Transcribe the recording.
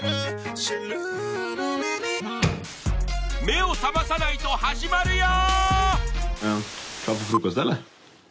目を覚まさないと始まるよ！